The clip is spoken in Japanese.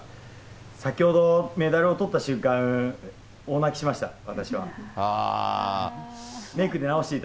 先ほど、メダルをとった瞬間、大泣きしました、私は。